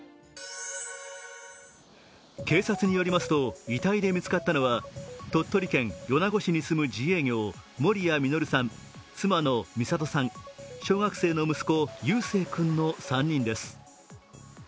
警察によりますと、遺体で見つかったのは鳥取県米子市に住む自営業、森谷実さん、妻の美里さん、小学生の息子・勇星君の３人です。